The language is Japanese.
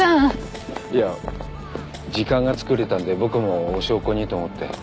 いや時間がつくれたんで僕もお焼香にと思って。